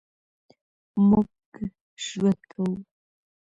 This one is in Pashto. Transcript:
مونږ ژوند کوو